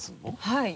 はい。